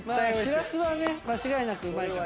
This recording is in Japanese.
しらすはね間違いなくうまいから。